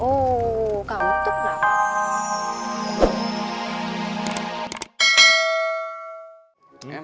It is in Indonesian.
oh kamu tuh kenapa